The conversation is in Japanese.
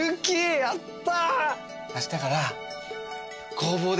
やった！